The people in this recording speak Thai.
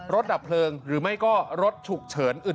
ดับเพลิงหรือไม่ก็รถฉุกเฉินอื่น